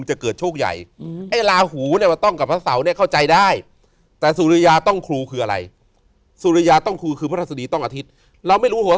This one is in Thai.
เราไม่รู้โทษศาสตร์จะทำยังไง